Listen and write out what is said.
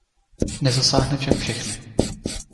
Nezasáhne však všechny.